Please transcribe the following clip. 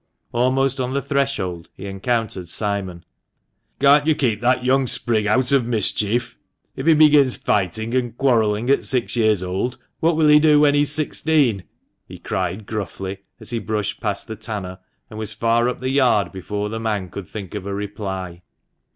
Almost on the threshold he encountered Simon. " Can't you keep that young sprig out of mischief ? If he begins fighting and quarrelling at six years old, what will he do when he is sixteen ?" he cried, gruffly, as he brushed past the tanner, and was far up the yard before the man could think of a reply.